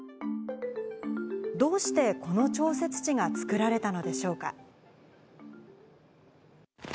どうしてこの調節池が作られたのでしょうか。